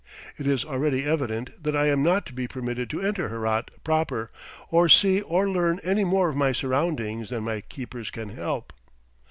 It is already evident that I am not to be permitted to enter Herat proper, or see or learn any more of my surroundings than my keepers can help.